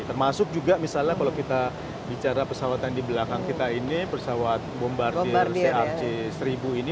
termasuk juga misalnya kalau kita bicara pesawat yang di belakang kita ini pesawat bombardir crc seribu ini